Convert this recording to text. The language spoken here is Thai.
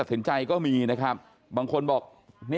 อ่าเดี๋ยวอีก๘วันถ้าคุณหาไปลงคะแนน